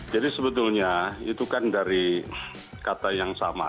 jadi sebetulnya itu kan dari kata yang sama